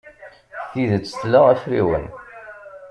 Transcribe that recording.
Tidet tla afriwen.